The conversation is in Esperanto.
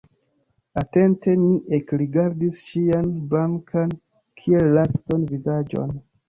Atente mi ekrigardis ŝian blankan kiel lakton vizaĝon.